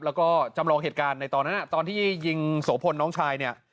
แล้วก็จำลองเหตุการณ์ในตอนนั้นตอนที่ยิงโสพลน้องชายเนี่ย